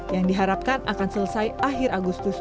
yang diharapkan akan selesai akhir agustus dua ribu dua puluh dua